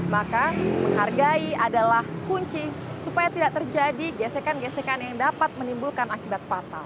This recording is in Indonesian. maka menghargai adalah kunci supaya tidak terjadi gesekan gesekan yang dapat menimbulkan akibat fatal